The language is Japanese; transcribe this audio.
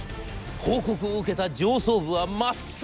報告を受けた上層部は真っ青。